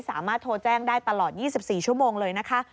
สามารถโทรแจ้งได้ตลอด๒๔ชั่วโมงเลยนะคะ